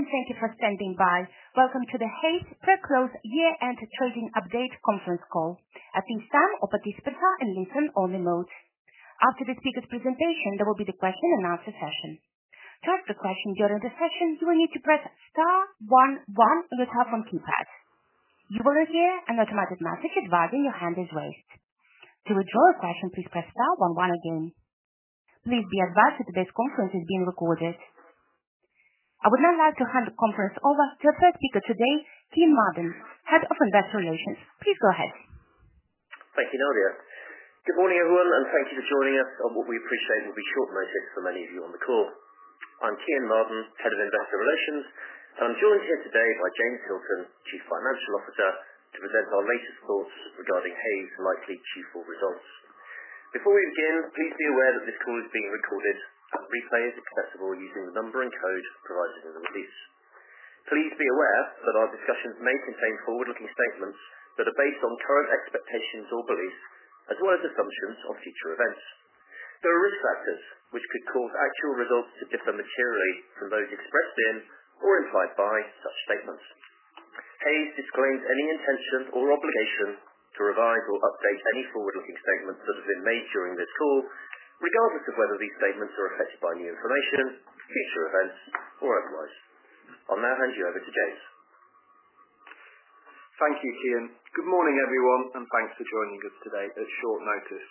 Hey and thank you for standing by. Welcome to the Hays pre-closed year-end trading update conference call. At this time, all participants are in listen-only mode. After the speaker's presentation, there will be the question-and-answer session. To ask a question during the session, you will need to press star one one on your cell phone keypad. You will then hear an automatic message advising your hand is raised. To withdraw a question, please press star one one again. Please be advised that today's conference is being recorded. I would now like to hand the conference over to our first speaker today, Kean Marden, Head of Investor Relations. Please go ahead. Thank you, Nadia. Good morning, everyone, and thank you for joining us. What we appreciate will be short notice for many of you on the call. I'm Kean Marden, Head of Investor Relations, and I'm joined here today by James Hilton, Chief Financial Officer, to present our latest thoughts regarding Hays' likely Q4 results. Before we begin, please be aware that this call is being recorded and the replay is accessible using the number and code provided in the release. Please be aware that our discussions may contain forward-looking statements that are based on current expectations or beliefs, as well as assumptions on future events. There are risk factors which could cause actual results to differ materially from those expressed in or implied by such statements. Hays disclaims any intention or obligation to revise or update any forward-looking statements that have been made during this call, regardless of whether these statements are affected by new information, future events, or otherwise. I'll now hand you over to James. Thank you, Kean. Good morning, everyone, and thanks for joining us today at short notice.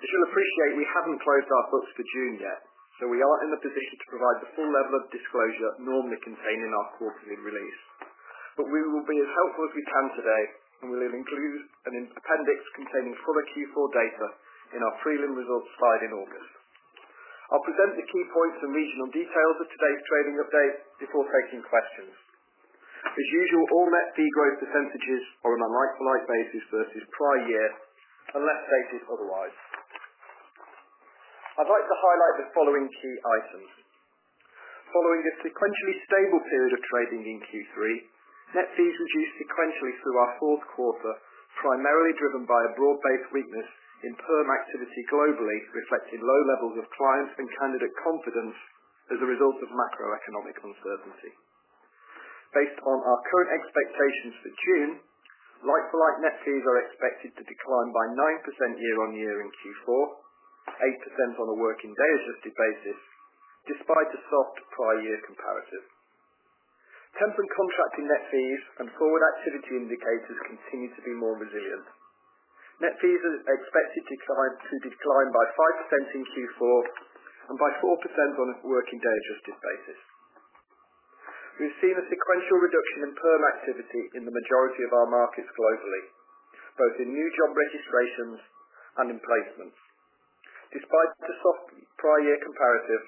As you'll appreciate, we haven't closed our books for June yet, so we are not in a position to provide the full level of disclosure normally contained in our quarterly release. We will be as helpful as we can today, and we'll include an appendix containing fuller Q4 data in our prelim results slide in August. I'll present the key points and regional details of today's trading update before taking questions. As usual, all net fee growth percentages are on a like-for-like basis versus prior year unless stated otherwise. I'd like to highlight the following key items. Following a sequentially stable period of trading in Q3, net fees reduced sequentially through our fourth quarter, primarily driven by a broad-based weakness in perm activity globally, reflecting low levels of client and candidate confidence as a result of macroeconomic uncertainty. Based on our current expectations for June, like-for-like net fees are expected to decline by 9% year-on-year in Q4, 8% on a working-day-adjusted basis, despite a soft prior-year comparative. Temp and contracting net fees and forward activity indicators continue to be more resilient. Net fees are expected to decline by 5% in Q4 and by 4% on a working-day-adjusted basis. We've seen a sequential reduction in perm activity in the majority of our markets globally, both in new job registrations and in placements. Despite the soft prior-year comparative,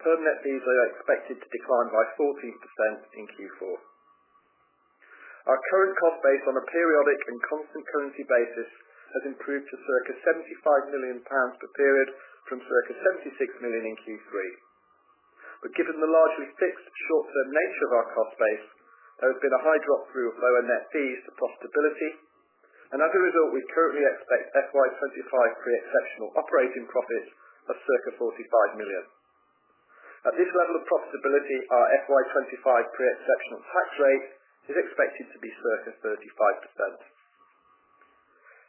perm net fees are expected to decline by 14% in Q4. Our current cost base on a periodic and constant currency basis has improved to 75 million pounds per period from 76 million in Q3. Given the largely fixed short-term nature of our cost base, there has been a high drop-through of lower net fees to profitability, and as a result, we currently expect FY 2025 pre-exceptional operating profits of 45 million. At this level of profitability, our FY 2025 pre-exceptional tax rate is expected to be 35%.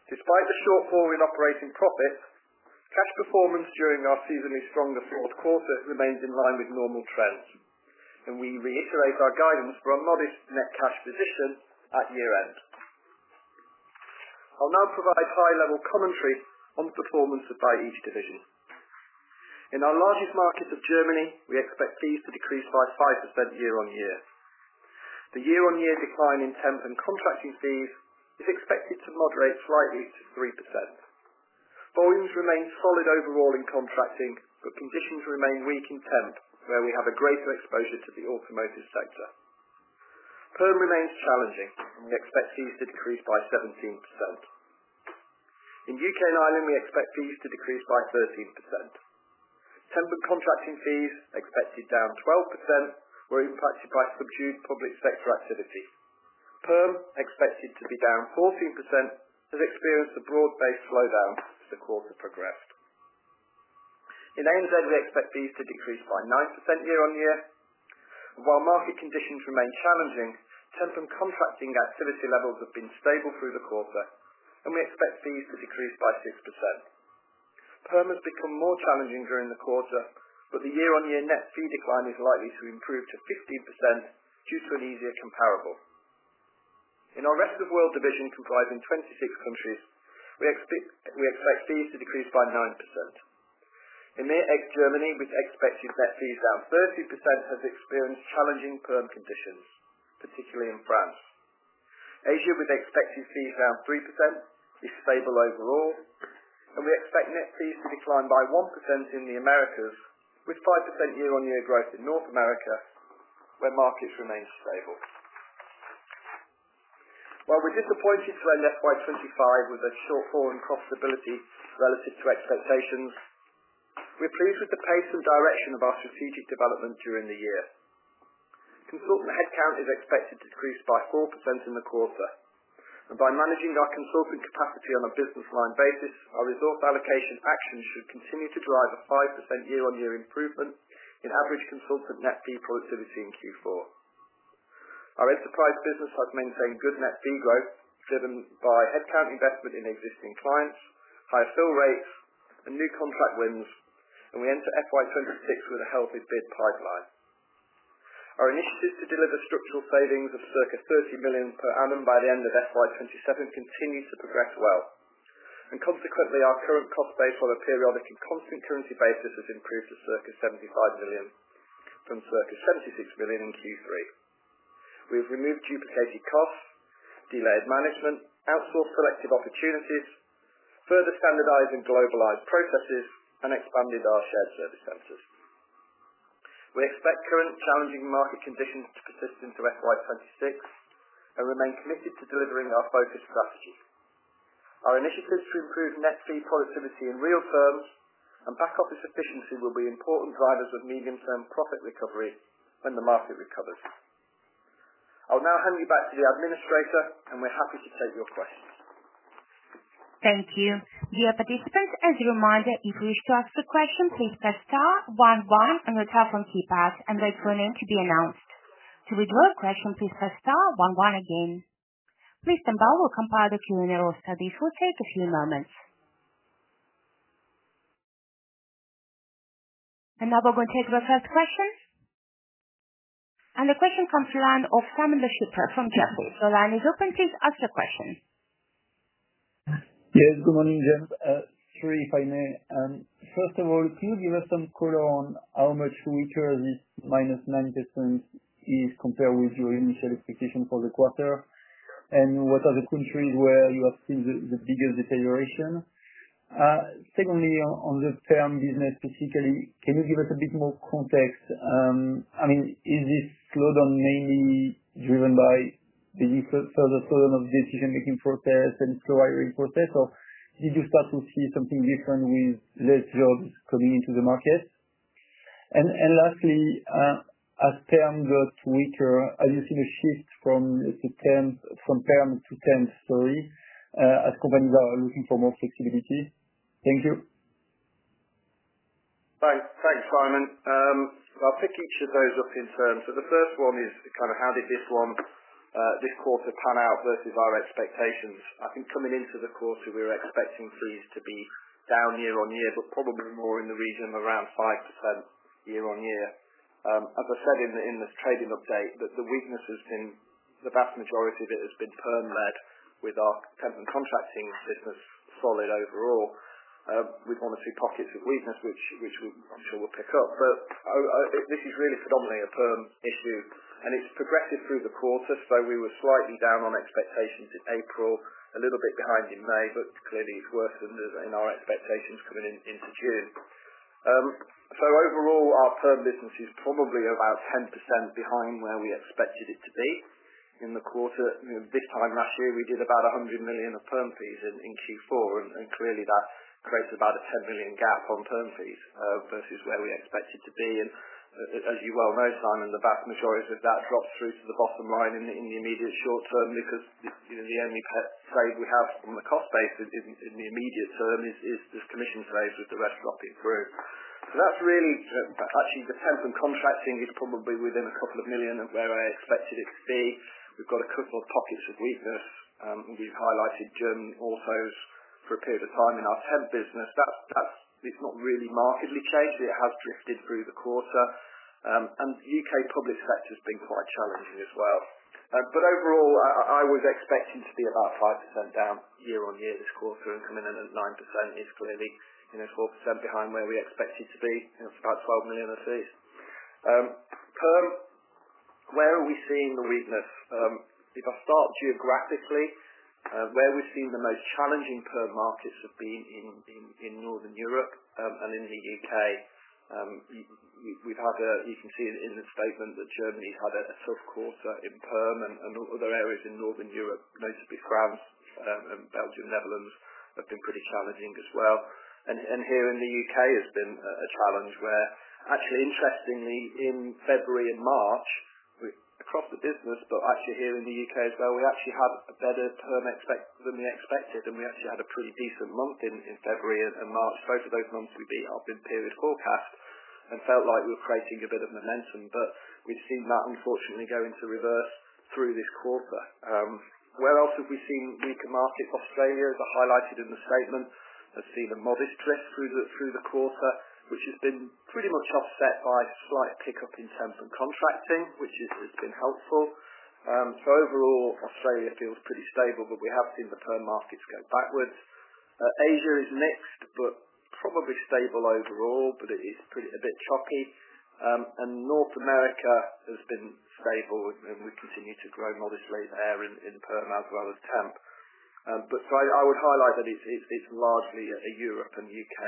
Despite the shortfall in operating profits, cash performance during our seasonally stronger fourth quarter remains in line with normal trends, and we reiterate our guidance for a modest net cash position at year-end. I'll now provide high-level commentary on the performance of each division. In our largest market of Germany, we expect fees to decrease by 5% year-on-year. The year-on-year decline in temp and contracting fees is expected to moderate slightly to 3%. Volumes remain solid overall in contracting, but conditions remain weak in temp, where we have a greater exposure to the automotive sector. Perm remains challenging, and we expect fees to decrease by 17%. In the U.K. and Ireland, we expect fees to decrease by 13%. Temp and contracting fees are expected down 12%, were impacted by subdued public sector activity. Perm is expected to be down 14%, has experienced a broad-based slowdown as the quarter progressed. In ANZ, we expect fees to decrease by 9% year-on-year. While market conditions remain challenging, temp and contracting activity levels have been stable through the quarter, and we expect fees to decrease by 6%. Perm has become more challenging during the quarter, but the year-on-year net fee decline is likely to improve to 15% due to an easier comparable. In our rest-of-world division comprising 26 countries, we expect fees to decrease by 9%. In ME/EGG Germany, with expected net fees down 30%, has experienced challenging perm conditions, particularly in France. Asia, with expected fees down 3%, is stable overall, and we expect net fees to decline by 1% in the Americas, with 5% year-on-year growth in North America, where markets remain stable. While we're disappointed to end FY 2025 with a shortfall in profitability relative to expectations, we're pleased with the pace and direction of our strategic development during the year. Consultant headcount is expected to decrease by 4% in the quarter, and by managing our consultant capacity on a business-line basis, our resource allocation actions should continue to drive a 5% year-on-year improvement in average consultant net fee productivity in Q4. Our enterprise business has maintained good net fee growth, driven by headcount investment in existing clients, higher fill rates, and new contract wins, and we enter FY 2026 with a healthy bid pipeline. Our initiatives to deliver structural savings of circa 30 million per annum by the end of FY 2027 continue to progress well, and consequently, our current cost base on a periodic and constant currency basis has improved to circa 75 million from circa 76 million in Q3. We have removed duplicated costs, delayed management, outsourced selective opportunities, further standardized and globalized processes, and expanded our shared service centers. We expect current challenging market conditions to persist into FY 2026 and remain committed to delivering our focus strategy. Our initiatives to improve net fee productivity in real terms and back office efficiency will be important drivers of medium-term profit recovery when the market recovers. I'll now hand you back to the administrator, and we're happy to take your questions. Thank you. Dear participants, as a reminder, if you wish to ask a question, please press star one one on your cell phone keypad, and wait for a name to be announced. To withdraw a question, please press star one one again. Please stand by. We'll compile the Q&A roster, and this will take a few moments. Now we're going to take the first question. The question comes from the line of Simon Lechipre from Jefferies. The line is open. Please ask your question. Yes, good morning, James. Sorry if I may. First of all, can you give us some color on how much weaker this minus 9% is compared with your initial expectation for the quarter, and what are the countries where you have seen the biggest deterioration? Secondly, on the perm business specifically, can you give us a bit more context? I mean, is this slowdown mainly driven by the further slowdown of the decision-making process and slow hiring process, or did you start to see something different with less jobs coming into the market? And lastly, as perm got weaker, have you seen a shift from perm to temp, sorry, as companies are looking for more flexibility? Thank you. Thanks, Simon. I'll pick each of those up in terms. The first one is kind of how did this quarter pan out versus our expectations? I think coming into the quarter, we were expecting fees to be down year-on-year, but probably more in the region around 5% year-on-year. As I said in the trading update, the weakness has been, the vast majority of it has been perm-led, with our temp and contracting business solid overall. We've gone through pockets of weakness, which I'm sure we'll pick up, but this is really predominantly a perm issue, and it's progressive through the quarter. We were slightly down on expectations in April, a little bit behind in May, but clearly it's worsened in our expectations coming into June. Overall, our perm business is probably about 10% behind where we expected it to be in the quarter. This time last year, we did about 100 million of perm fees in Q4, and clearly that creates about a 10 million gap on perm fees versus where we expected to be. As you well know, Simon, the vast majority of that drops through to the bottom line in the immediate short term because the only saves we have on the cost base in the immediate term is the commission saves with the rest dropping through. That is really actually the temp and contracting is probably within a couple of million of where I expected it to be. We have got a couple of pockets of weakness. We have highlighted German autos for a period of time in our temp business. It is not really markedly changed. It has drifted through the quarter, and the U.K. public sector has been quite challenging as well. Overall, I was expecting to be about 5% down year-on-year this quarter, and coming in at 9% is clearly 4% behind where we expected to be, and it is about 12 million of fees. Perm, where are we seeing the weakness? If I start geographically, where we have seen the most challenging perm markets have been in Northern Europe and in the U.K. You can see in the statement that Germany has had a tough quarter in perm and other areas in Northern Europe. Notably, France and Belgium and Netherlands have been pretty challenging as well. Here in the U.K., it has been a challenge where actually, interestingly, in February and March, across the business, but actually here in the U.K. as well, we actually had a better perm expect than we expected, and we actually had a pretty decent month in February and March. Both of those months we beat up in period forecast and felt like we were creating a bit of momentum, but we have seen that, unfortunately, go into reverse through this quarter. Where else have we seen weaker markets? Australia is highlighted in the statement. I have seen a modest drift through the quarter, which has been pretty much offset by a slight pickup in temp and contracting, which has been helpful. Overall, Australia feels pretty stable, but we have seen the perm markets go backwards. Asia is mixed, but probably stable overall, but it is a bit choppy. North America has been stable, and we continue to grow modestly there in perm as well as temp. I would highlight that it is largely a Europe and U.K.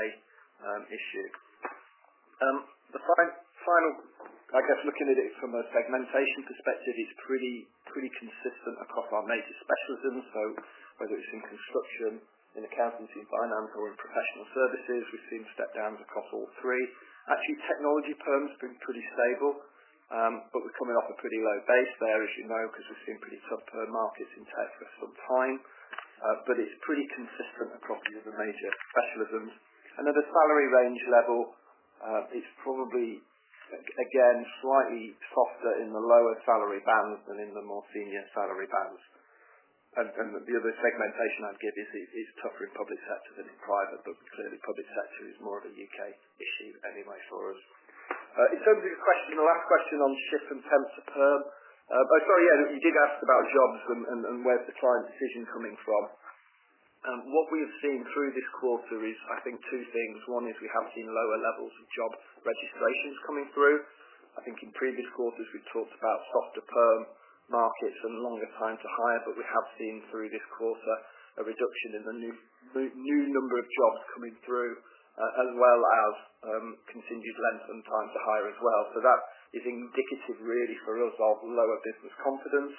issue. The final, I guess, looking at it from a segmentation perspective, is pretty consistent across our major specialisms. Whether it is in construction, in accountancy and finance, or in professional services, we have seen step-downs across all three. Actually, technology perm has been pretty stable, but we are coming off a pretty low base there, as you know, because we have seen pretty tough perm markets in tech for some time. It is pretty consistent across the other major specialisms. The salary range level is probably, again, slightly softer in the lower salary bands than in the more senior salary bands. The other segmentation I would give is tougher in public sector than in private, but clearly, public sector is more of a U.K. issue anyway for us. In terms of your question, the last question on ship and temp to perm, sorry, yes, you did ask about jobs and where is the client decision coming from. What we have seen through this quarter is, I think, two things. One is we have seen lower levels of job registrations coming through. I think in previous quarters, we've talked about softer perm markets and longer time to hire, but we have seen through this quarter a reduction in the new number of jobs coming through, as well as continued length and time to hire as well. That is indicative, really, for us of lower business confidence,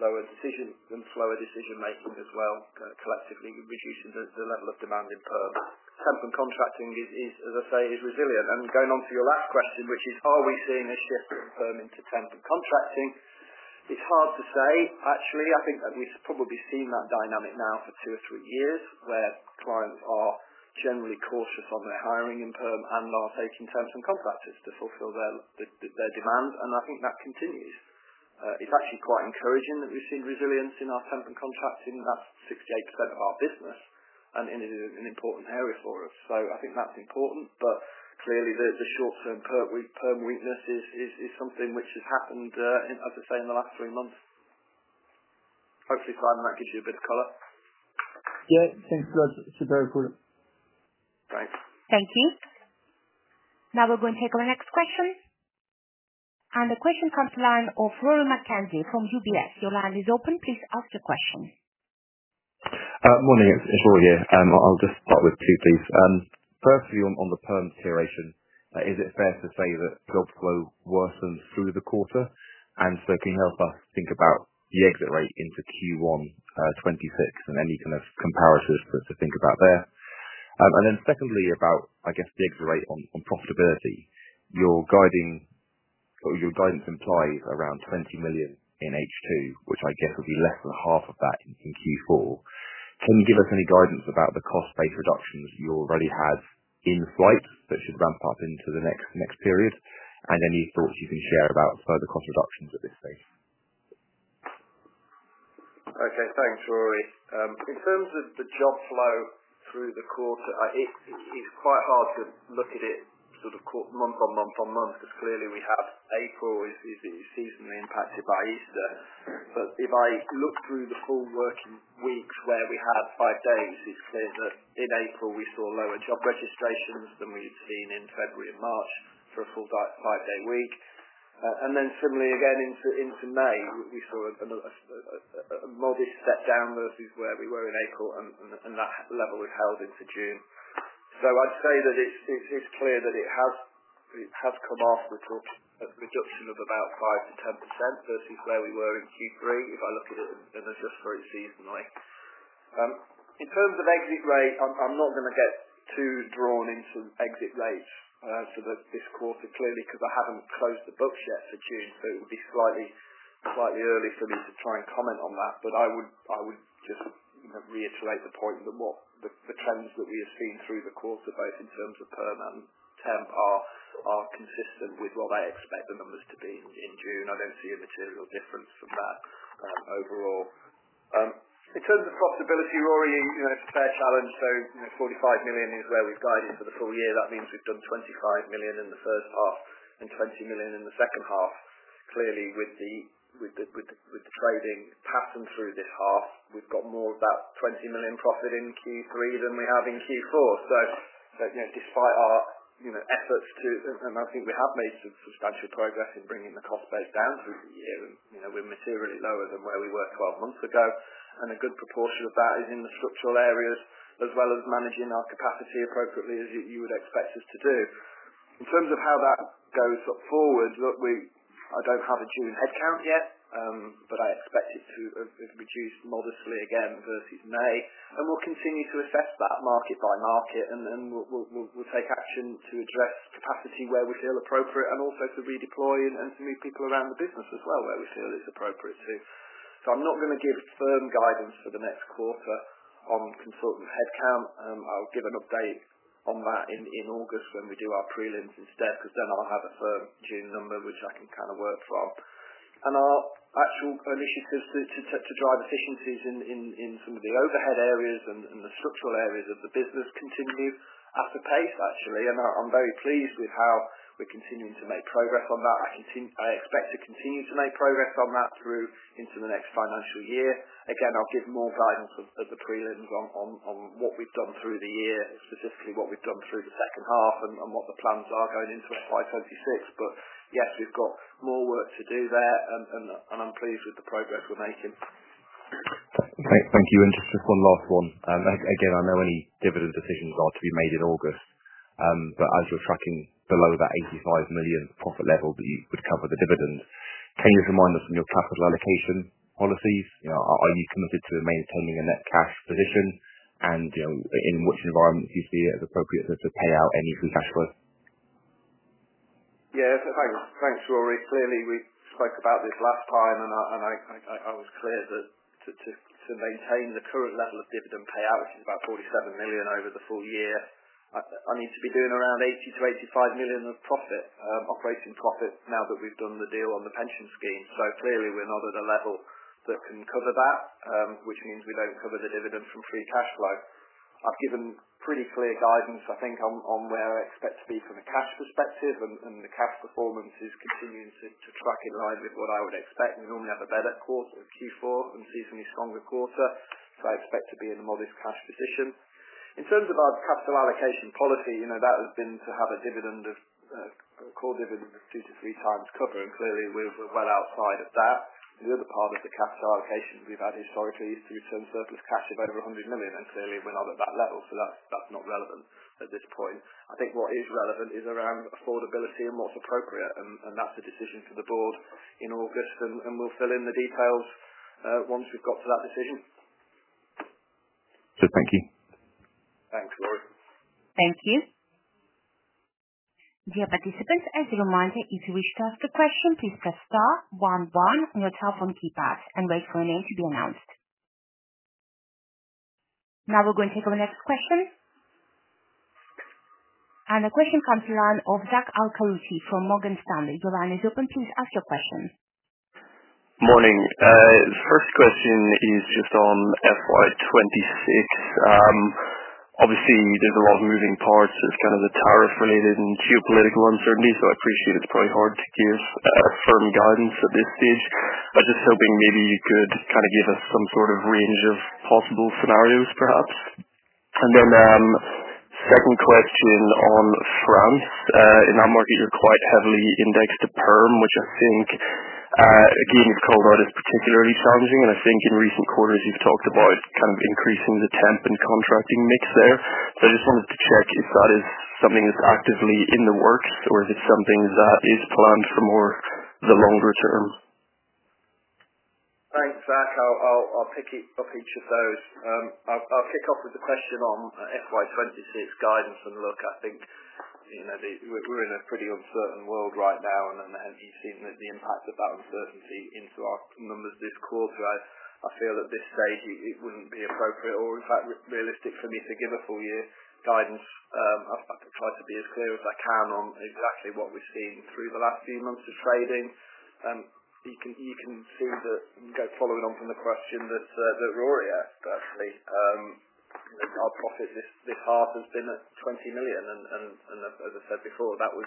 lower decision, and slower decision-making as well, collectively reducing the level of demand in perm. Temp and contracting is, as I say, resilient. Going on to your last question, which is, are we seeing a shift in perm into temp and contracting? It's hard to say, actually. I think that we've probably seen that dynamic now for two or three years, where clients are generally cautious on their hiring in perm and are taking temps and contractors to fulfill their demands. I think that continues. It's actually quite encouraging that we've seen resilience in our temp and contracting. That's 68% of our business, and it is an important area for us. I think that's important, but clearly, the short-term perm weakness is something which has happened, as I say, in the last three months. Hopefully, Simon, that gives you a bit of color. Yeah, thanks, guys. It's very cool. Thanks. Thank you. Now we're going to take our next question. The question comes to the line of Rory McKenzie from UBS. Your line is open. Please ask your question. Morning, it's Rory here. I'll just start with two, please. Firstly, on the perm deterioration, is it fair to say that jobs will worsen through the quarter? Can you help us think about the exit rate into Q1 2026 and any kind of comparatives to think about there? Secondly, about, I guess, the exit rate on profitability. Your guidance implies around 20 million in H2, which I guess would be less than half of that in Q4. Can you give us any guidance about the cost-based reductions you already had in flight that should ramp up into the next period? Any thoughts you can share about further cost reductions at this stage? Okay, thanks, Rory. In terms of the job flow through the quarter, it's quite hard to look at it sort of month on month on month because clearly we have April is seasonally impacted by Easter. If I look through the full working weeks where we had five days, it's clear that in April we saw lower job registrations than we'd seen in February and March for a full five-day week. Similarly, again, into May, we saw a modest step-down versus where we were in April, and that level was held into June. I'd say that it's clear that it has come off the reduction of about 5%-10% versus where we were in Q3 if I look at it and adjust for it seasonally. In terms of exit rate, I'm not going to get too drawn into exit rates for this quarter clearly because I haven't closed the books yet for June, so it would be slightly early for me to try and comment on that. I would just reiterate the point that the trends that we have seen through the quarter, both in terms of perm and temp, are consistent with what I expect the numbers to be in June. I don't see a material difference from that overall. In terms of profitability, Rory, it's a fair challenge. So 45 million is where we've guided for the full year. That means we've done 25 million in the first half and 20 million in the second half. Clearly, with the trading pattern through this half, we've got more about 20 million profit in Q3 than we have in Q4. Despite our efforts to, and I think we have made substantial progress in bringing the cost base down through the year, we are materially lower than where we were 12 months ago. A good proportion of that is in the structural areas as well as managing our capacity appropriately as you would expect us to do. In terms of how that goes forward, I do not have a June headcount yet, but I expect it to have reduced modestly again versus May. We will continue to assess that market by market, and we will take action to address capacity where we feel appropriate and also to redeploy and to move people around the business as well where we feel it is appropriate to. I am not going to give firm guidance for the next quarter on consultant headcount. I'll give an update on that in August when we do our prelims instead because then I'll have a firm June number which I can kind of work from. Our actual initiatives to drive efficiencies in some of the overhead areas and the structural areas of the business continue at a pace, actually. I'm very pleased with how we're continuing to make progress on that. I expect to continue to make progress on that through into the next financial year. I'll give more guidance at the prelims on what we've done through the year, specifically what we've done through the second half and what the plans are going into FY 2026. Yes, we've got more work to do there, and I'm pleased with the progress we're making. Thank you. Just one last one. Again, I know any dividend decisions are to be made in August, but as you're tracking below that 85 million profit level that you would cover the dividend, can you just remind us on your capital allocation policies? Are you committed to maintaining a net cash position, and in which environment do you see it as appropriate to pay out any free cash flow? Yeah, thanks, Rory. Clearly, we spoke about this last time, and I was clear that to maintain the current level of dividend payout, which is about 47 million over the full year, I need to be doing around 80 million-85 million of operating profit now that we've done the deal on the pension scheme. Clearly, we're not at a level that can cover that, which means we don't cover the dividend from free cash flow. I've given pretty clear guidance, I think, on where I expect to be from a cash perspective, and the cash performance is continuing to track in line with what I would expect. We normally have a better quarter of Q4 and seasonally stronger quarter, so I expect to be in a modest cash position. In terms of our capital allocation policy, that has been to have a core dividend of two to three times cover, and clearly, we're well outside of that. The other part of the capital allocation we've had historically is to return surplus cash of over 100 million, and clearly, we're not at that level, so that's not relevant at this point. I think what is relevant is around affordability and what's appropriate, and that's a decision for the board in August, and we'll fill in the details once we've got to that decision. Good. Thank you. Thanks, Rory. Thank you. Dear participants, as a reminder, if you wish to ask a question, please press star one one on your telephone keypad and wait for your name to be announced. Now we are going to take our next question. The question comes from Zach Al-Qaryooti from Morgan Stanley. Your line is open. Please ask your question. Morning. The first question is just on FY 2026. Obviously, there's a lot of moving parts. There's kind of the tariff-related and geopolitical uncertainty, so I appreciate it's probably hard to give firm guidance at this stage. I appreciate it's probably hard to give firm guidance at this stage. Just hoping maybe you could kind of give us some sort of range of possible scenarios, perhaps. The second question on France. In that market, you're quite heavily indexed to perm, which I think, again, you've called out as particularly challenging. I think in recent quarters, you've talked about kind of increasing the temp and contracting mix there. I just wanted to check if that is something that's actively in the works or if it's something that is planned for more of the longer-term. Thanks, Zach. I'll pick up each of those. I'll kick off with the question on FY 2026 guidance and look. I think we're in a pretty uncertain world right now, and you've seen the impact of that uncertainty into our numbers this quarter. I feel at this stage it wouldn't be appropriate or, in fact, realistic for me to give a full-year guidance. I've tried to be as clear as I can on exactly what we've seen through the last few months of trading. You can see that, and going following on from the question that Rory asked, actually, our profit this half has been at 20 million, and as I said before, that was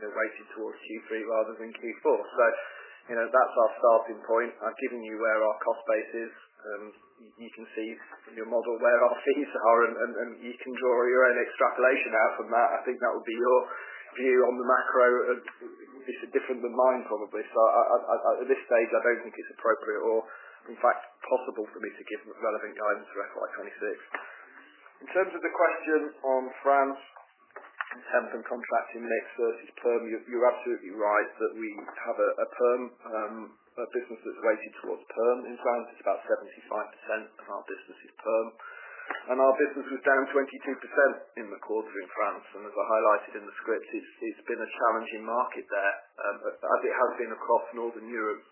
weighted towards Q3 rather than Q4. That is our starting point. I've given you where our cost base is. You can see from your model where our fees are, and you can draw your own extrapolation out from that. I think that would be your view on the macro. It's different than mine, probably. At this stage, I don't think it's appropriate or, in fact, possible for me to give relevant guidance for FY 2026. In terms of the question on France and temp and contracting mix versus perm, you're absolutely right that we have a business that's weighted towards perm. In France, about 75% of our business is perm. Our business was down 22% in the quarter in France. As I highlighted in the script, it's been a challenging market there, as it has been across northern Europe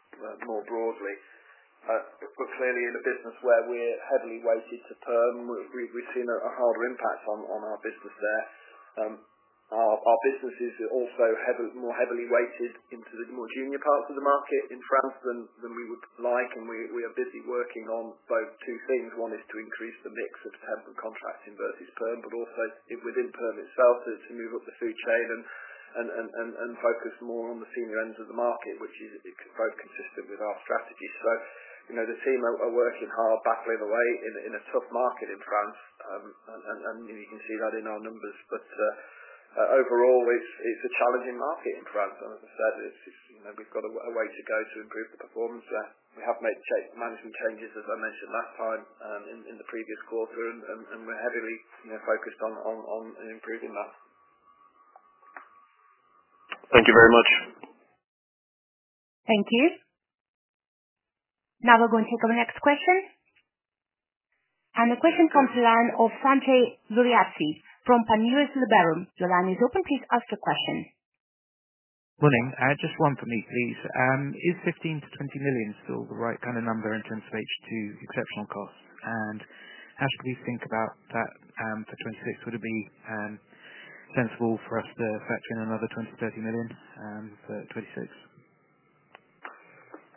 more broadly. Clearly, in a business where we're heavily weighted to perm, we've seen a harder impact on our business there. Our business is also more heavily weighted into the more junior parts of the market in France than we would like. We are busy working on both two things. One is to increase the mix of temp and contracting versus perm, but also within perm itself to move up the food chain and focus more on the senior ends of the market, which is both consistent with our strategy. The team are working hard back, leave away in a tough market in France, and you can see that in our numbers. Overall, it's a challenging market in France. As I said, we've got a way to go to improve the performance there. We have made management changes, as I mentioned last time in the previous quarter, and we're heavily focused on improving that. Thank you very much. Thank you. Now we're going to take our next question. The question comes to the line of Sanjay Vidyarthi from Panmure Liberum. Your line is open. Please ask your question. Morning. Just one for me, please. Is 15 million-20 million still the right kind of number in terms of H2 exceptional costs? How should we think about that for 2026? Would it be sensible for us to factor in another 20 million-30 million for 2026?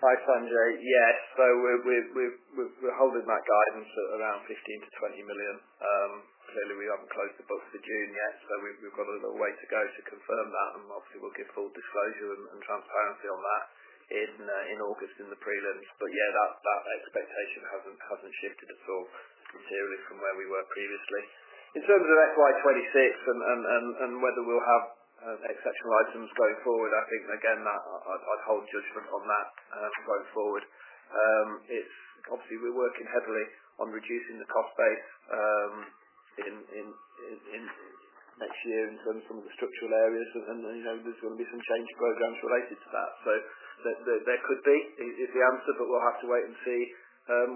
Hi, Sanjay. Yes. We're holding that guidance at around 15 million-20 million. Clearly, we haven't closed the books for June yet, so we've got a little way to go to confirm that. Obviously, we'll give full disclosure and transparency on that in August in the prelims. Yeah, that expectation hasn't shifted at all materially from where we were previously. In terms of FY 2026 and whether we'll have exceptional items going forward, I think, again, I'd hold judgment on that going forward. Obviously, we're working heavily on reducing the cost base next year in terms of some of the structural areas, and there's going to be some change programs related to that. There could be is the answer, but we'll have to wait and see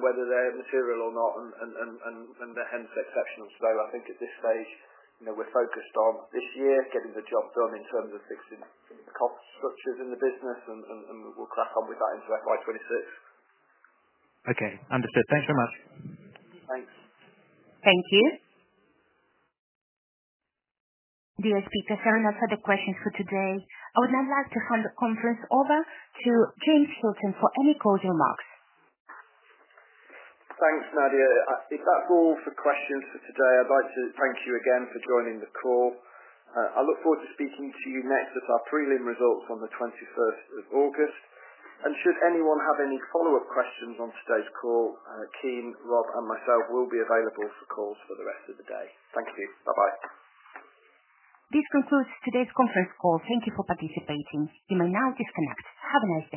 whether they're material or not and hence exceptional. I think at this stage, we're focused on this year, getting the job done in terms of fixing the cost structures in the business, and we'll crack on with that into FY 2026. Okay. Understood. Thanks very much. Thanks. Thank you. Dear speaker, that's all the questions for today. I would now like to hand the conference over to Kean for any closing remarks. Thanks, Nadia. If that's all for questions for today, I'd like to thank you again for joining the call. I look forward to speaking to you next with our prelim results on the 21st of August. Should anyone have any follow-up questions on today's call, Team, Rob, and myself will be available for calls for the rest of the day. Thank you. Bye-bye. This concludes today's conference call. Thank you for participating. You may now disconnect. Have a nice day.